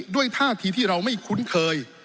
ด้วยท่าทีที่เราไม่คุ้นเคย